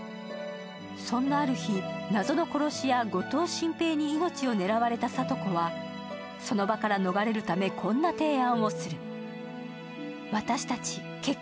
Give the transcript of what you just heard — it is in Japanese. そんなある日、謎の殺し屋、後藤進平に命を狙われた紗都子はその場から逃れるため、こんな提案をする。